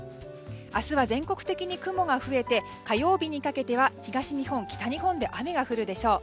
明日は全国的に雲が増えて火曜日にかけては東日本、北日本で雨が降るでしょう。